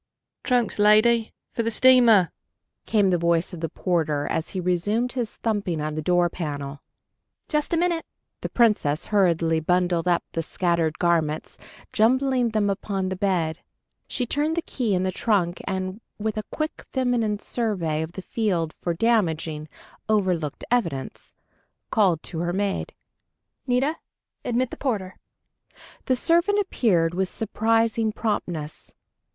"Trunks, lady, for the steamer!" came the voice of the porter, as he resumed his thumping on the door panel. "Just a minute." The Princess hurriedly bundled up the scattered garments, jumbling them upon the bed. She turned the key in the trunk and, with a quick feminine survey of the field for damaging, overlooked evidence, called to her maid. "Nita, admit the porter." The servant appeared with surprising promptness.